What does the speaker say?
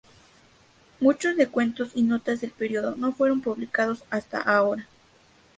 Muchos de cuentos y notas del período no fueron publicados hasta ahora.